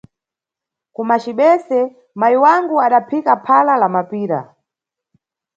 Kumacibese, mayi wangu adaphika phala na mapira.